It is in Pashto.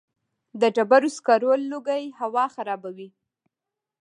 د ډبرو سکرو لوګی هوا خرابوي؟